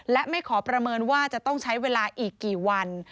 และไม่ขอประเมินว่าจะต้องใช้เวลาอีกกี่วัน